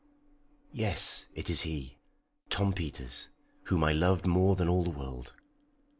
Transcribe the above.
"Yes, it is he Tom Peters whom I loved more than all the world."